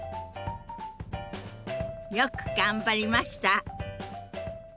よく頑張りました！